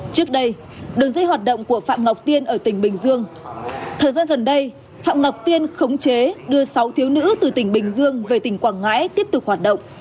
trước đây đường dây hoạt động của phạm ngọc tiên ở tỉnh bình dương thời gian gần đây phạm ngọc tiên khống chế đưa sáu thiếu nữ từ tỉnh bình dương về tỉnh quảng ngãi tiếp tục hoạt động